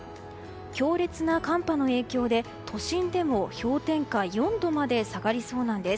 強烈な寒波の影響で都心でも氷点下４度まで下がりそうなんです。